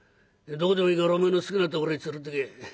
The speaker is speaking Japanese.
どこでもいいからおめえの好きなところへ連れてけ」。